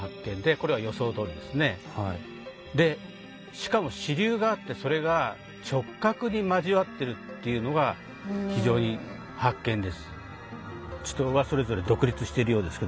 しかも支流があってそれが直角に交わってるっていうのが非常に発見です。